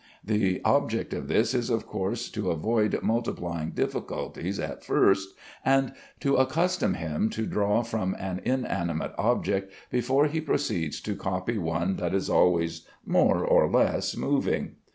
The object of this is of course to avoid multiplying difficulties at first, and to accustom him to draw from an inanimate object before he proceeds to copy one that is always more or less moving.